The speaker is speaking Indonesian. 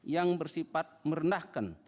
yang bersifat merendahkan